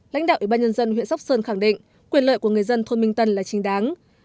lãnh đạo ủy ban nhân dân huyện sóc sơn khẳng định quyền lợi của người dân thôn minh tân là chính đáng